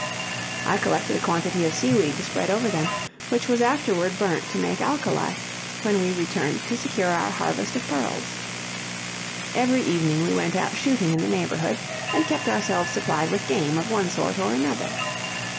I collected a quantity of seaweed to spread over them, which was afterward burnt to make alkali, when we returned to secure our harvest of pearls. Every evening we went out shooting in the neighborhood, and kept ourselves supplied with game of one sort or another.